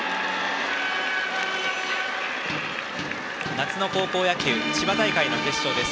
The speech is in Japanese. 夏の高校野球千葉大会の決勝です。